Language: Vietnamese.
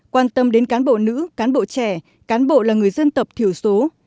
quan tâm đến cán bộ nữ cán bộ trẻ cán bộ là người dân tập thiểu số